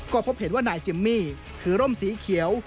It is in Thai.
ก็พบเห็นว่านายจิมมี่ถือร่มสีเขียว